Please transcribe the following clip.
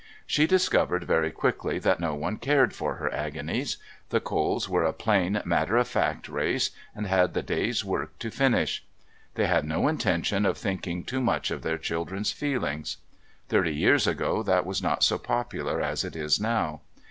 She discovered very quickly that no one cared for her agonies. The Coles were a plain, matter of fact race, and had the day's work to finish. They had no intention of thinking too much of their children's feelings. Thirty years ago that was not so popular as it is now.